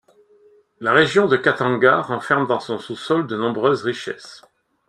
La région de Khatanga renferme dans son sous-sol de nombreuses richesses.